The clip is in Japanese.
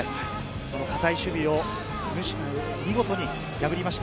堅い守備を見事に破りました